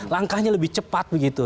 langkahnya lebih cepat begitu